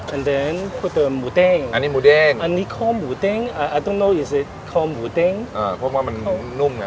อันนี้หมูเด้งอันนี้หมูเด้งอันนี้ของหมูเด้งอ่าพูดว่ามันนุ่มไง